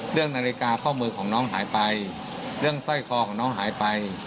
เรื่องนาฬิกาข้อมือของน้องหายไปเรื่องสร้อยคอของน้องหายไป